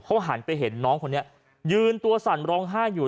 เขาหันไปเห็นน้องคนนี้ยืนตัวสั่นร้องไห้อยู่